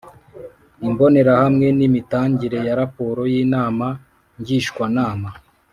Imbonerahamwe n Imitangire ya raporo y Inama Ngishwanama